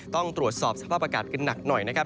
ต้องตรวจสอบสภาพอากาศกันหนักหน่อยนะครับ